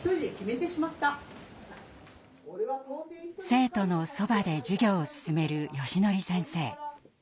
生徒のそばで授業を進めるよしのり先生。